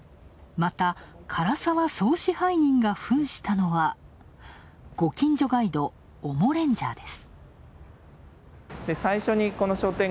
また、唐澤総支配人がふんしたのはご近所ガイド・オモレンジャーです。